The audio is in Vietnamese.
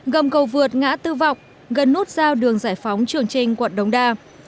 gầm cầu vượt ngã tư vọc gần nốt giao đường giải phóng trường trinh quận đông đa